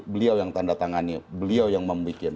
beliau yang tanda tangani beliau yang membuat